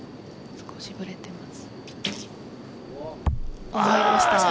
少しブレてます。